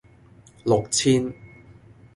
六千